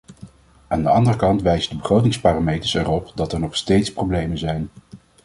Aan de andere kant wijzen de begrotingsparameters erop dat er nog steeds problemen zijn.